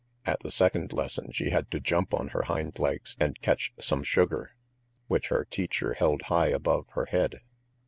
At the second lesson she had to jump on her hind legs and catch some sugar, which her teacher held high above her head.